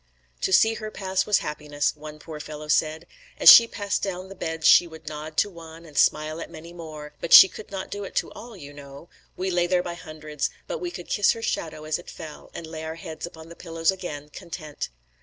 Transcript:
"To see her pass was happiness," one poor fellow said. "As she passed down the beds she would nod to one and smile at many more; but she could not do it to all, you know. We lay there by hundreds; but we could kiss her shadow as it fell, and lay our heads upon the pillows again, content."